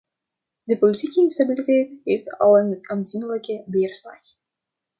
De politieke instabiliteit heeft al een aanzienlijke weerslag.